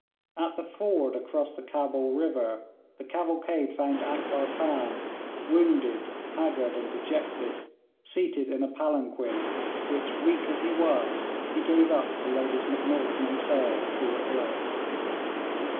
At the ford across the Cabul river the cavalcade found Akbar Khan wounded, haggard, and dejected, seated in a palanquin, which, weak as he was, he gave up to Ladies Macnaghten and Sale, who were ill.